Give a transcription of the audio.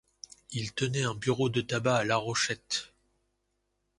Ils tenaient un bureau de tabac à La Rochette.